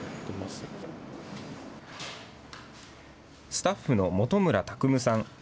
スタッフの本村拓夢さん。